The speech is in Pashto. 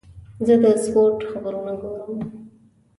زه د سپورت خبرونه ګورم.